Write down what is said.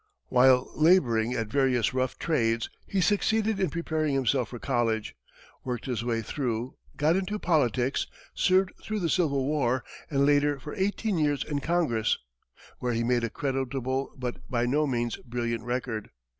While laboring at various rough trades, he succeeded in preparing himself for college, worked his way through, got into politics, served through the Civil War, and later for eighteen years in Congress, where he made a creditable but by no means brilliant record.